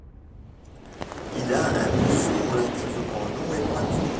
Il a un museau relativement long et pointu.